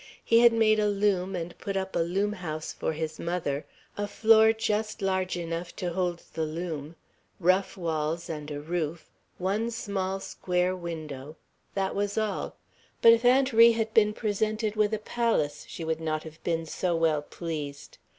He had made a loom and put up a loom house for his mother, a floor just large enough to hold the loom, rough walls, and a roof; one small square window, that was all; but if Aunt Ri had been presented with a palace, she would not have been so well pleased.